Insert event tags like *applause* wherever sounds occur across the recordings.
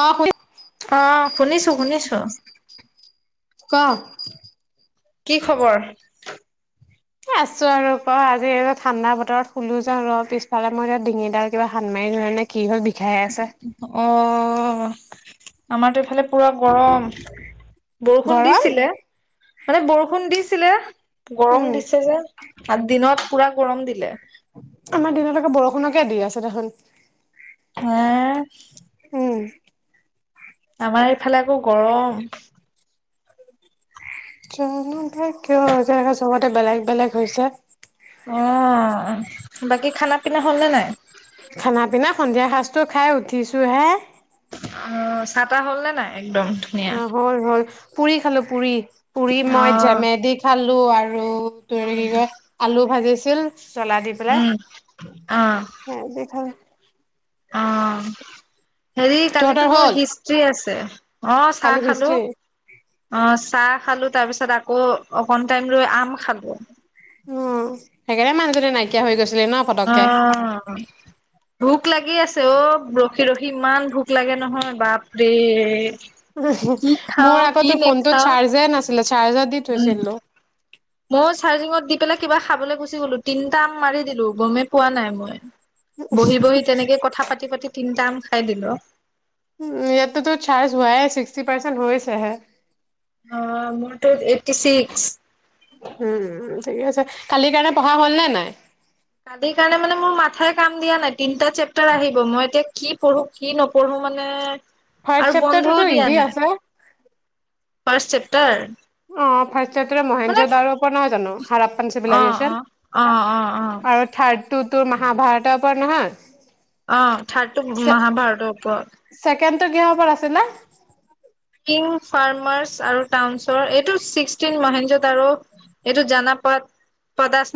অ হয়। অ শুনিছো শুনিছো ক। কি খবৰ, আছো আৰু ক আজি ঠাণ্ডা বতৰত শুলো যে ৰ পিছফালে মই ডিঙিডাল কিবা হান মাৰি ধৰে নে কি হল, বিষাই আছে অ। অ আমাৰতো এইফালে পুৰা গৰম, বৰষুণ গৰম দিছিলে মানে বৰষুণ দি, আছিলে *unintelligible* গৰম উম দিছে যে দিনত পুৰা গৰম দিলে নকে দি আছে দেখোন হে উম আমাৰ এইফালে আকৌ গৰম কিয় কিয় জ চবতে বেলেগ বেলেগ হৈছে অ বাকী খানা পিনা হ'লনে নাই খানা পিনা সন্ধিয়া সাজটো খাই উঠিছো হে অ চাহ তাহ হ'ল নে নাই একদম ধুনীয়া অ হ'ল হ'ল পুৰি খালোঁ পুৰি পুৰি মই অ', জেমেদি খালো আৰু *unintelligible* আৰু ত কি কয় আলু ভাজি কিিল *inaudible* *unintelligible* জলা দি পেলাই উম, অ', দি থ অ হেৰি তহঁতৰ কালিতো মোৰ হ'ল হিষ্ট্ৰি আছে অ চাহ কালি খালো হিষ্ট্ৰী অ চাহ খালো তাৰ পিছত আকৌ অকন টাইম লৈ আম খালো অ সেইকাৰণে মানুহজনি নাইকিয়া হৈ গৈছ অ ভোক লাগি আছে অ ৰখি ৰখি ইমান ভুক লাগে নহয় বাপৰে কি মোৰ খাওঁ আকৌ কি তোৰ ফোনটোত নেখাও চাৰ্জে নাছিলে চাৰ্জত দি উম থৈছিলো। ময়ো চাৰ্জিঙত দি পেলাই কিবা খাবলৈ গুচি গলো তিনিটা আম মাৰি দিলো গমেই পোৱা নাই মই। বহি বহি তেনেকে কথা পাতি পাতি তিনটা আম খাই দিলোঁ। ইয়াৰততো চাৰ্জ হোৱাই ছিক্সটি পাৰ্চেন্ট হৈছেহে। অ মোৰটো এইটটি চিক্স উম ঠিকে আছে কালিৰ কাৰণে পঢ়া হল নে নাই। কালি কাৰণে মোৰ মাথাই কাম দিয়া নাই তিনটা চেপ্তাৰ আহিব মই এতিয়া কি পঢ়ো। কি নপৰঢ়ো মানে ফাৰ্ষ্ট আৰু বন্ধও চেপ্টাৰটোতো দিয়া ইজি নাই। আছে। ফাৰ্ষ্ট চেপ্টাৰ অ মানে মহেন্দ্ৰ দাৰ ওপৰত নহয় জানো হাৰাপ্পান অ অ চিভিলাইজেচন অ অ অ আৰু থাৰ্ড। তোৰ তোৰ মহাভাৰতৰ পৰা নহয়। অ থাৰ্ডটো মহাভাৰতৰ ওপৰত, চেকেণ্ডটো কিহৰ ওপৰত আছিলে। কিং ফাৰ্মাৰ্চ আৰু টাউনছৰ এইটো ছিক্সটিন মহেজ। আৰু এইটো জানা। পচ *unintelligible*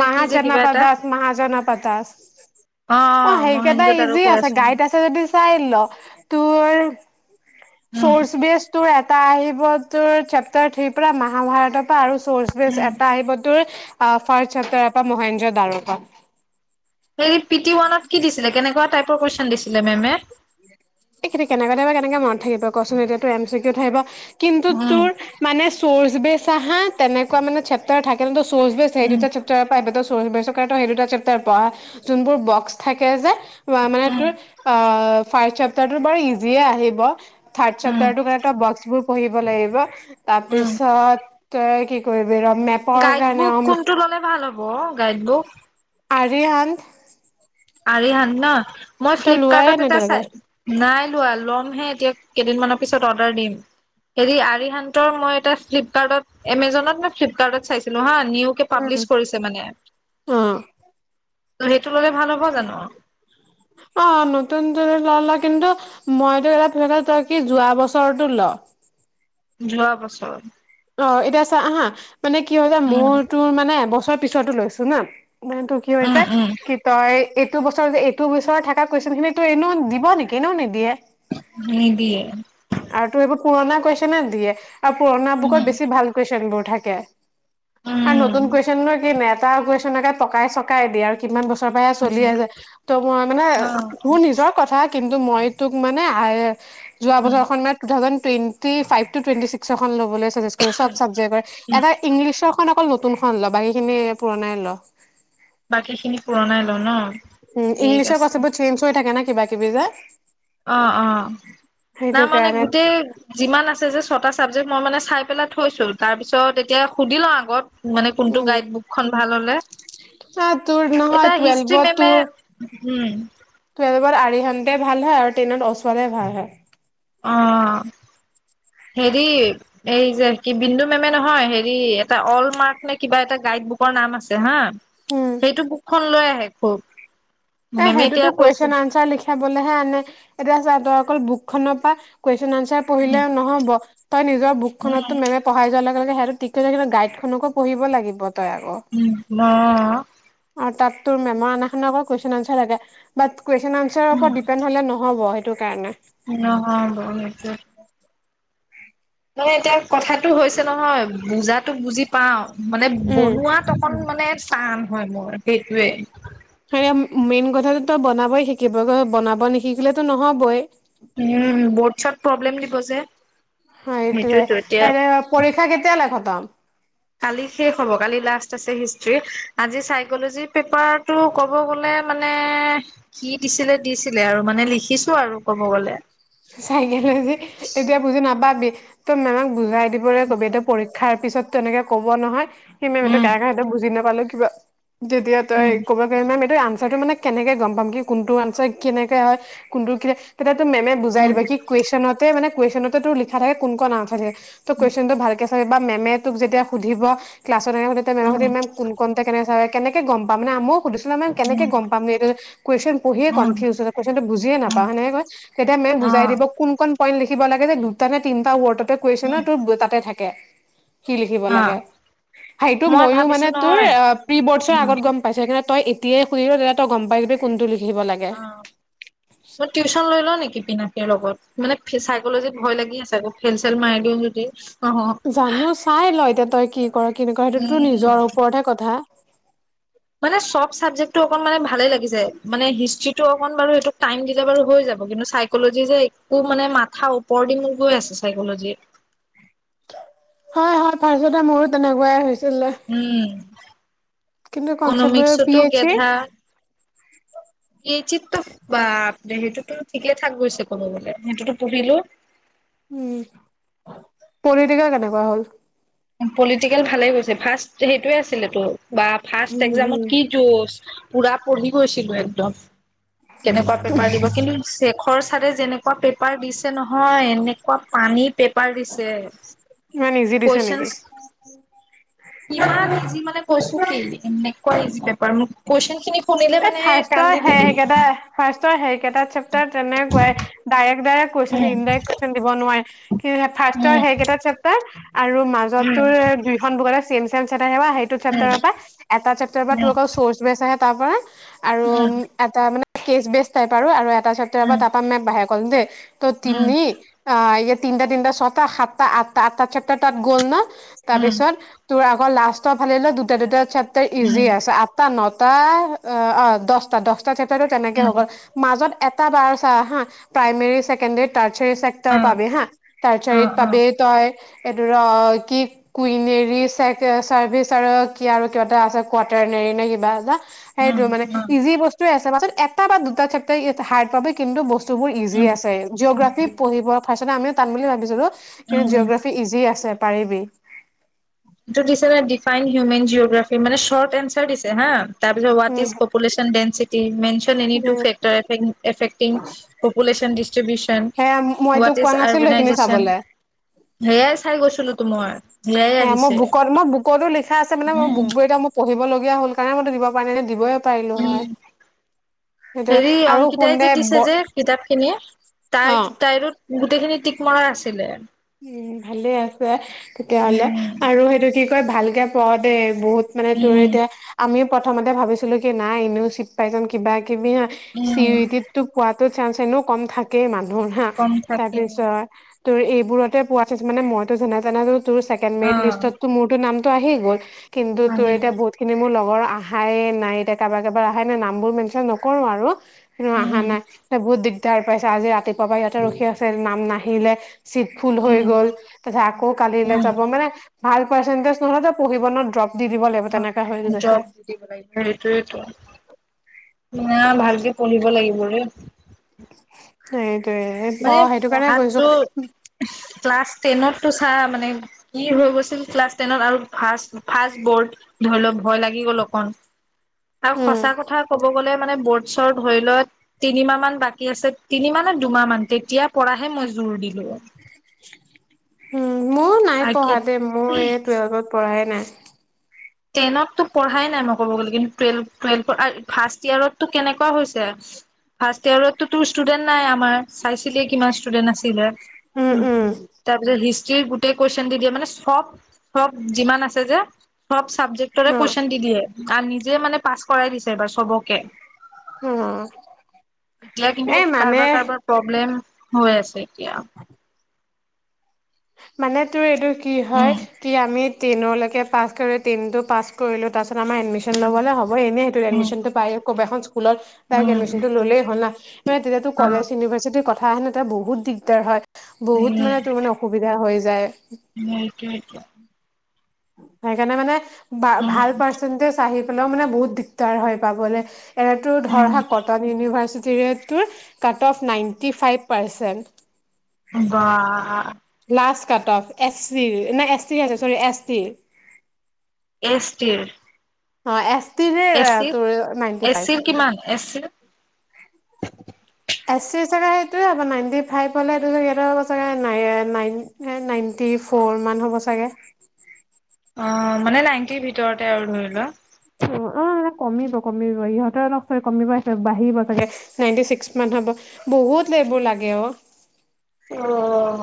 মাহাজানাপা দাস মাহাজানাপা দাস অ সেইকেইটা মহেন্দ্ৰত আৰু ইজি কৈ আছে আছো মই গাইড আছে যদি চাই ল তোৰ। উম চৰ্চ বেচ তোৰ এটা আহি। চেপ্তাৰ থ্ৰী পৰা মহাভাৰতৰ পৰা আৰু। ব উম এটা আহিব তোৰ, ফাৰ্ষ্ট চেপ্টাৰৰ পৰা মহেঞ্জোদাৰো পা, হে পিটি ওৱানত কি দিছিলে কেনেকুৱা টাইপৰ কুৱেশন দিছিলে মেমে। এইখিন কেনেকে বা কেনেকে মনত থাকিব কচোন এতিয়াাতটো এম চি কি উ থাকিব, কিন্তু উম তোৰ মানে চৰ্চ বেচ, বা তেনেকুৱা মানে চেপ্টাৰ থাকে। চৰ্চ বেছছে এই উম দুটা পৰা চেপ্টাৰ পৰা টো আগতে আহিব। সেই দুটা চেপ্টাৰ পঢ়া যোনবোৰ বক্স থাকে যে। মানে উম তোৰ অ ফাৰ্ষ্ট, টো বাৰু ইজিয়ে আহিব। থাৰ্ড উম চেপ্টাৰটো তই বক্স বোৰ, পঢ়িব লাগিব, উম তাৰপিছত তই কি? কৰিবি ৰ মেপৰ গাইড কাৰণে বুক অ কোনটো ল'লে ভাল হ'ব গাইড বুক, আৰিয়ান, আৰিয়ান ন, মই ফ্লিপকাৰ্তত এটা চাই নাই, নাই লোৱা ল'ম হে এতিয়া কেইদিনমানৰ পিছত অৰ্ডাৰ দিম হেৰি আৰিহান্তৰ মই এটা ফ্লিপকাৰ্টত এমজনত নে, ফ্লিপকাৰ্টত চাইছিলো হাঁ। নিউকে পাবলিছ কৰিছে মানে। উম, অ ত সেইটো' ললে ভাল হব। হব জানো। অ নতুন টো ললে কিন্তু মইতো এটা তই কি যোৱা বছৰতো ল। যোৱা বছৰ, অ এতিয়া চা হা, মানে কি হয় যে উম মোৰ তোৰ মানে এবছৰত, পিছতো লৈছো না- মানে ত টো কি হৈ উম যায় উম কি তই এইটো বছৰ যে এইটো বছৰ থকা কুৱেচন খিনিতো এনেও দিব নেকি এনেও নিদিয়ে নিদিয়ে আৰু তোৰ এইবোৰ পুৰণা কোৱেষ্টন নে দিয়ে আৰু পুৰণা কত উম বেছি ভাল কুৱেছন বোৰ থাকে আৰু নতুন উম কুৱেচন নু কি তাৰ কুৱেচন নকে পকাই চকাই দিয়ে আৰু কিমান বস্তু চলি আছে ত' মই মানে অ তোৰ নিজৰ কথা কিন্তু মই তোক মানে আৰ যোৱা বছৰ খন মানে two thousand twenty five twenty six ল'বলে। ব চাবজেক্ট এটা ইংলিছৰ অকল নতুন খন লবা এই খিনি পুৰণাই ল বাকী খিনি পুৰণাই ল ন উম ঠিক ইংলিছৰ আছে কৰসেবোৰ চেঞ্জ হৈ থাকে ন কিবা কিবি যে অ অ সেইটো না মানে কাৰণে গোটেই যিমান আছে যে ছটা ছাবজেক্ট মই মানে চাই পেলাই থৈছোঁ তাৰপিছত এতিয়া সুধি লওঁ আগত মানে কোনটো উম গাইডবুকখন ভাল হ'লে। তোৰ নহয় এতিয়া হিষ্ট্ৰী টুৱেলভত মেমে তোৰ উম টুৱেলভত আৰিহান ভাল হয় আৰু ট্ৰেইনত ওচোৱালে ভাল হয় অ হেৰি এই যে কি বিন্দু মেমে নহয় হেৰি এটা অল মাৰ্ক নে কিবা এটা গাইড বুকৰ নাম আছে হা উম সেইটো বুক খন লৈ আহে। *unintelligible* এ মেমে এতিয়া সেইটোতো কৈছে কুৱেশ্বন আনচাৰ লিখাবলেহে আনে এতিয়া ছা তই অকল বুক খনৰ পৰা কৈ *unintelligible* অনস্বেৰ পঢিলে নহ'ব। তই নিজ বুক উম খনতো মেমে পঢ়ায় যোৱাৰ লগে লগে সেইয়াটো টিক তেতিয়া কিন্তু গাইড খনকো পঢ়িব লাগিব। তই আকৌ উম ন আৰু তাত তোৰ মেমৰ অনা খনকো আক কুৱেশচন আনচাৰ থাকে। বাট কুৱেশ্যন আনচাৰৰ ওপৰত ডিপেণ্ড হলে নহ'ব। সেইটো কাৰণে। নহব সেইটো। মানে এতিয়া কথাটো হৈছে নহয় বুজাতো বুজি পাওঁ। মানে উম বনোৱাত অকণ মানে। টান হয় মোৰ সেইটোৱে। হ মেইন কথাটো তই বনাবই শিকিব বনাব নিশিকিলেতো নহবই। উম বৰ্ড চৰ্ড প্ৰব্লেম দিব যে। হয় সেইটোয়ে। সেইটোতো এতিয়া এনে পৰীক্ষা কেতিয়া লে *unintelligible* *inaudible* কালি শেষ হ'ব কালি লাষ্ট আছে হিষ্ট্ৰি। আজি চাইকলজিৰ পেপাৰটো ক'ব গলে মানে কি দিছিলে দিছিলে আৰু। মানে লিখিছো আৰু ক'ব গ'লে। চাইকেল যে এতিয়া বুজি নাপাবি তই মেমক বুজাই দিবলৈ কবি এইটো পৰীক্ষাৰ তাৰ পিছত তেনেকে কব নহয় সি মেমটো উম কাৰ কাৰ সেইটো বুজি নাপালো ব তেতিয়া য তই উম ক'ব *unintelligible* মেম এইটো আনচাৰটো মানে কেনেকে গম পাম কি কোনটো আনচাৰ কেনেকে হয় কোনটো কি তেতিয়াটো মেমে বুজাই উম দিব কি কুৱেশ্যনতে মানে কুৱেশ্যনতেটো লিখা থাকে কোন খন নাথাকে। ত কুৱেশচনটো ভালকে ছবি বা মেমে তোক যেতিয়া সুধিব। উম *unintelligible* কেনেকে গম পাম না মোক। সুধিছিলা নে কেনেকে উম গম পাম, এইটো কুৱেছন পঢ়িয়ে উম কনফিউজ হৈ যায়। কোৱেছনটো বুজিয়ে উম নাপাওঁ সেনেকে কয়। তেতিয়া মেম অ যাই দিব? কোন খন পইণ্ট লি কিব লাগে যে দুটা নে তিনটা ৱৰ্ডত তই কুৱেচন না উম তোৰ তাতে থাকে। কি লিখিব অ লাগে সেইটো মই ময়ো মানে ভাবিছো তোৰ নহয় প্ৰি বৰ্ডছৰ উম আগত গম পাইছো কিন্তু তই দিয়ে সুয়ে দ তই গম পাইযাবি দে কোনটো ল অ তই টিউচন লৈ ল নেকি? পিনাকীৰ লগত মানে চাইকলজিত ভয় লাগি আছে আকৌ খেল চেল মাৰি দিও যদি। অহ জানো চাই ল এ তাত তই কি কি কৰ কি নকৰ সেইটো তোৰ উম নিজৰ ওপৰতহে কথা মানে চব চাবজেক্টটো অকন মানে ভালে লাগিছে মানে হিষ্ট্ৰিটো অকন বাৰু এইোক টাইম দিলে বাৰু হৈ যাব কিন্তু চাইকলজি যে একো মানে মাথা ওপৰ দি মোৰ গৈ আছে চাইকলজি হয় হয় ফাৰ্ষ্ট তে মোৰো তেনেকুৱাই হৈছে উম কিন্তু কঞ্চেপ বোৰ পি ইকনমিক্সতো এচ চি গেধা পি এচ চি টো বাপৰে সেইটোতো ঠিকেই থাক গৈছে ক'বলে সেইটোতো পঢ়িলো পলিটিকেল কেনেকুৱা হ'ল পলিটিকেল ভালে গৈছে ফাৰ্ষ্ট সেইটোয়ে আছিলেতো বা ফাৰ্ষ্ট উম একজামত হম কি যুঁজ পুৰা পঢ়ি গৈছিলো একদম কেনেকুৱা পেপাৰ দিব কিন্তু খৰ চাৰে যেনেকুৱা পেপাৰ দিছে নহয় এনেকুৱা পানী পেপ পাৰ দিছে ইমান ইজি দিছে পইচা নেকি? ইমান ইজি মানে কৈছো কি এনেকুৱা ইজি কোৱেচন খিনি শুনিলে এই মানে ফাৰ্ষ্টৰ কান্দি সে দিবি সেইকেইটা ফাৰ্ষ্টৰ সেইকেইটা এটা চেপটাৰ তেনে কোৱাই ডায়েক ডায়েক কুৱেচন খিনি উম ইনডাৰেক কোৱেচন দিব নোৱাৰে হয় *unintelligible* ফাস্তৰ উম সেই কেইটা চেপ্টাৰ আৰু উম মাজতো দুইখন বুকৰে চিন তেওঁ চাৰ *unintelligible* তাই সেউৱা সেইটো চেপ্টাৰৰ উম পৰা এটা চেপটাৰ পৰা তোৰ অকল চচ বেচ আহ তাৰ পৰা আৰু উ উম উম এটা মানে কেচ বেষ্ট টাইপ আৰু এটা তা চত উম পৰা তাপা মানে মাহেকে *unintelligible* তিনি আহ ইয়াত তিটা তিনিটা ছটা সাতটা আঠটা আঠটা চেপ্টাৰ তাত গল ন তাৰ উম পিছত তোৰ আক লাষ্টৰ ফালে দুটা দুটা চে উম ইজি উম আছে আঠটা ন তাৰ অ অ দটা দটা টো তেনেকে হৈ উম গল মাজত এটা বাৰ *unintelligible* চাহা primary secondary third three sector অ পাবি হা অ ৰ্চালচাৰিত অ পাবি তই এইটো কি কুইনেৰ চেক চাৰ্ভিচ আৰু কি আৰু কিবা এটা আছে কোৱাটাৰনেৰি নে কিবা এটা সেইটো উম মানে উম ইজি বস্তুে আছে পাছত এটা বা দুটা চেপটাৰ হাৰ্ড পাবি কিন্তু বছ বস্ত বোৰ ইজি উম আছে জিঅ'গ্ৰাফি উম পঢ়িব ফাচ আমিও টান বুলি ভাবিছিলো। কিন্তু উম, জিঅ'গ্ৰাফি ইজি আছে। পাৰিবি। এইটো দিছে নে ডিফাইন হিউমেন জিঅ'গ্ৰাফি মানে চৰ্ট এনচাৰ দিছে হা তাৰ পিছত what um is population density *unintelligible* mention any two factor *unintelligible* affecting population distribution সেয়া মই হোৱাট তোক ইজ কোৱা নাছিলো এইখিনি আৰ্বনাইজেচন চাবলে সেয়াই চাই গৈছিলো তো মই। সেয়াই আহিছে। কত *unintelligible* বুকতো লিখা আছে মানে মোৰ উম বুকবোৰ এতিয়া মই পঢ়িবলগীয়া হ'ল কাৰণে মই তোক দিব পৰা নাই *unintelligible* দিবই পাৰিলো উম। হয় সেইটোয়ে হেৰি আৰু শুন অংকিতাই যে দে দিছে ব যে কিতাপ খিনিয়ে তাই অ - তাইৰো গোটেইখিনি টিক মৰা আছিলে। উম ভালে আছে তেতিয়াহলে উম আৰু সেইটো কি কৈ ভালকে পঢ় দে বহুত মানে তোৰ উম এতিয়া আমি প্ৰথমতে ভাবিছিলো কি নাই এনেও চিট পাইজাম কিবা কিবি হা উম *unintelligible* পোৱাত টো চান্স এনেও কম থাকে মান *unintelligible* কম তাৰ থাকে পিছত তোৰ এইবোৰত *unintelligible* মানে মইতো যেনে তেনে *unintelligible* তোৰ ছেকেণ্ড‌ অ মেৰিট লিষ্টততো‌, ‌ মোৰ তো নাম তো আহি গ'ল। কিন্তু তোৰ আহিব এতিয়া, বহুত খিনি মোৰ লগৰ আহায়ে নাই, এতিয়া কাবাৰ কাবাৰ আহাই নাই, নামবোৰ মেনশ্যন নকৰোঁ আৰু। *unintelligible* উম আহা নাই, বহুত দিগ *unintelligible* পাইছে, আজি ৰাতিপুৱা পৰা ইয়াতে ৰখি আছে নাম নাহিলে, চিট ভুল হৈ উম গ'ল, তাৰপিছত আকৌ কালিলে উম যাব মানে ভাল পাৰ্চেন্টেজ নোহোৱাকে পঢ়িব ন, ড্ৰপ দি দিব লাগিব অ তেনেকা হৈ গৈছে জব, *unintelligible* সেইটোৱেটো। না ভালকে পঢ়িব লাগিব ৰে। *inaudible* *unintelligible* মানে পঢ়, সেইটো কাৰণে কৈছো পঢ়াতো, ‌ ক্লাছ টেনতটো চা, মানে কি হৈ গৈছিল, ক্লাছ টেনত আৰু ফা, ফাৰ্ষ্ট বৰ্ড ধৰি ল, ভয় লাগি গ'ল অকণ। আৰু উম সঁচা কথা ক'ব গ'লে মানে বৰ্ডছৰ ধৰি ল, তিনি মাহ মান বাকী আছে তিনি মাহ নে, দুমাহ মান তেতিয়াৰ পৰাহে মই জোৰ দিলো। উম। মঁইও নাই পঢ়া দেই, মই আৰ্কিত এই টুৱেল্ভত পঢ়ায়ে নাই। টেইনততো পঢ়াই নাই মই ক'ব গ'লে, কিন্তু টুৱেল, টুৱেলভত, ফাৰ্ষ্ট ইয়েৰতটো কেনেকুৱা হৈছে, ফাৰ্ষ্ট ইয়েৰতো তোৰ ষ্টুডেণ্ট নাই আমাৰ। চাইছিলি কিমান ষ্টুডেন্ট আছিলে? উম উম তাৰপিছত হিষ্ট্ৰী গোটেই কুৱেষ্টন দি দিয়ে, মানে চব, চব যিমান আছে যে *unintelligible* চাবজেক্টতে অ কুৱেছন দি দিয়ে, আৰু নিজে মানে পাছ কৰাই দিছে এইবাৰ। চবকে, অ এতিয়া এই কিন্তু কাৰবাৰ মানে কাৰোবাৰ প্ৰব্লেম হৈ আছে *unintelligible* মানে তোৰ এইটো কি হয়, উম কি আমি টেনৰলৈকে পাছ কৰি, টেইনটো পাছ কৰিলো, তাৰপিছত আমাৰ এডমিছন ল'বলে হ'বয়ে, এনে সেইটো উম এডমিছনটো পায়ে, কোনোবা এখন স্কুলত ডাৰেক্ট উম এডমিছনটো ল'লেই হ'ল‌‌ ন। মানে তেতিয়া তোৰ অ কলেছ ইউনিভাৰ্চিটি কথা কাৰণ এতিয়া বহুত দিগদাৰ হয়। বহুত মানে, তোৰ মানে হৈ যায়। উকক *inaudible* সেইকাৰণে মানে- উম ভাল পাৰ্চন চাহ' লেও মানে বহুত দিগদাৰ হয় পাবলৈ। এইটো ধৰা কটন ইউনিভাৰ্চিটি, জিৰ'টোৰ cut off ninety five percent- বা- পচ কাটক এছ চিৰ ন এছ টি আছে চৰি এছ টিৰ, এছ টিৰ, অ এচ, এচি ৰ এচি ৰ কিমান এচি ৰ? এ চি চাগে সেইটোৱে হ' নাইনটি ফাইভ হলে এইটোগ হ'ব চাগে নন নাইনটি ফ'ৰ মান হ'ব চাগে, অ মানে নাইন্তিৰ ভিতৰতে আৰু ধৰি লোৱা। অ এ কমিব কমিব ইহঁতে অলপ কমিব বাঢ়িব চাগে নাইনটি ছিক্স মান হব বহুত এইবোৰ লাগে অ অঁ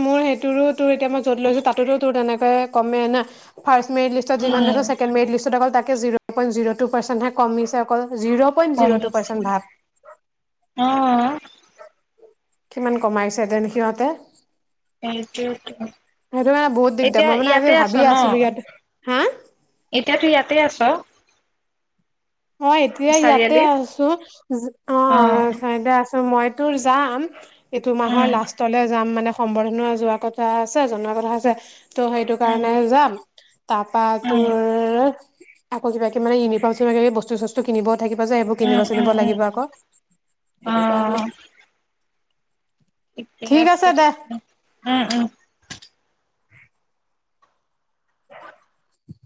মোৰ সেইটোৰো তোৰ এতিয়া মই য'ত লৈছো তাতো তোৰ তেনেকুৱাই কমে না ফাৰ্ষ্ট মেৰিতলিষ্ট যিমান আছে উম ছেকেণ্ড মেৰিটলিষ্ট ত তাকে zero point zero two percentage কমিছে অকল জিৰ' পইণ্ট জিৰ' টু কমিছে। পাৰ্চেন্ট অ ভাব কিমান কমাইছে দেন সিহঁতে সেইটোৱেতো সেইটো কাৰনে বহুত দিগদাৰ এতিয়া মই মানে আজি ইয়াতে ভাবিয়ে আছিলো ইয়াত হা এতিয়া তো ইয়াতে আছ অ এতিয়া ইয়াতে চাৰিআলিত? আছো অ চাইদ আছো মই তোৰ যাম এইটো মাহৰ লাষ্টলৈ যাম মানে সম্বৰ্ধন যোৱা কথা আছে জনোৱা কথা আছে ত' সেইটো উম কাৰণে যাম তাপা উম তোৰ আকৌ কিবা কিবি মানে ইউনিফৰ্ম বস্তু বস্তু সষ্টো কিনিব থাকিব যে সেইবোৰ কিনিব উম চিনিব উম উম লাগিব আকৌ সেইটো কাৰণে থিকে আছে দে উম উম